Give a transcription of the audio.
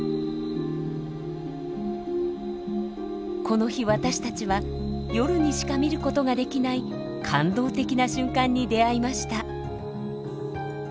この日私たちは夜にしか見ることができない感動的な瞬間に出会いました。